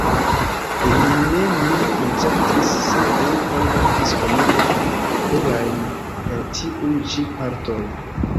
Ili ne nur konceptis, sed ankaŭ verkis komune plurajn el tiuj ĉi partoj.